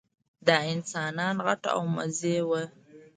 دا انسانان غټ او مزي وو.